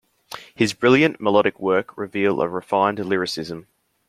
His brilliant melodic work reveal a refined lyricism.